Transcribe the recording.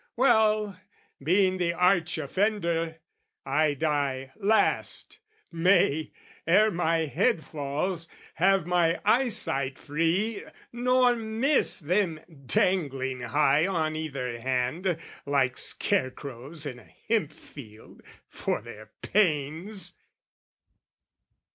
Well, being the arch offender, I die last, May, ere my head falls, have my eyesight free, Nor miss them dangling high on either hand, Like scarecrows in a hemp field, for their pains!